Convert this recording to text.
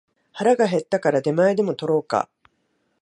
腹が減ったから出前でも取ろうか